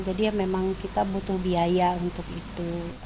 jadi memang kita butuh biaya untuk itu